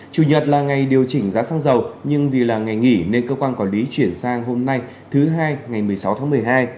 chủ nhật là ngày điều chỉnh giá xăng dầu nhưng vì là ngày nghỉ nên cơ quan quản lý chuyển sang hôm nay thứ hai ngày một mươi sáu tháng một mươi hai